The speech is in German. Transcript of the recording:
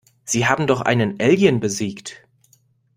Sie haben doch einen Alien besiegt.